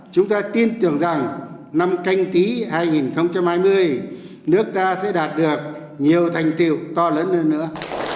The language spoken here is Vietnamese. chúng ta tin tưởng rằng năm canh tí hai nghìn hai mươi nước ta sẽ đạt được nhiều thành tiệu to lớn hơn nữa